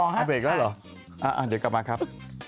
เอาเบรกแล้วเหรอเดี๋ยวกลับมาครับ